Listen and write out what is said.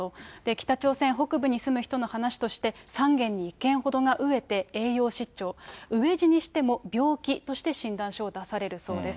北朝鮮北部に住む人の話として、３軒に１軒ほどが飢えて栄養失調、飢え死にしても病気として診断書を出されるそうです。